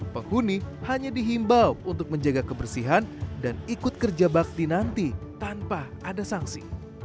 penghuni hanya dihimbau untuk menjaga kebersihan dan ikut kerja bakti nanti tanpa ada sanksi